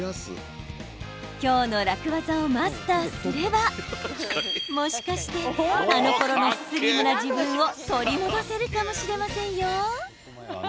今日の楽ワザをマスターすればもしかしてあのころのスリムな自分を取り戻せるかもしれませんよ。